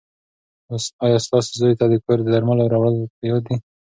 ایا ستاسو زوی ته د کور د درملو راوړل په یاد دي؟